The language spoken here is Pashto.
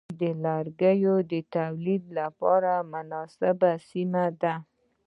• غونډۍ د لرګیو د تولید لپاره مناسبه سیمه ده.